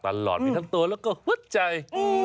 ถ้าไม่ทำตัวแล้วก็หัวใจ